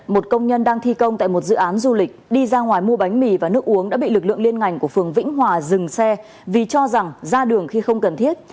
một công nhân đang thi công tại một dự án du lịch đi ra ngoài mua bánh mì và nước uống đã bị lực lượng liên ngành của phường vĩnh hòa dừng xe vì cho rằng ra đường khi không cần thiết